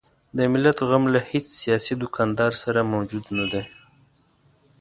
د ملت غم له هیڅ سیاسي دوکاندار سره موجود نه دی.